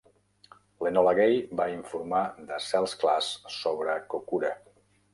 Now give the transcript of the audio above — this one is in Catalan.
L'Enola Gay va informar de cels clars sobre Kokura.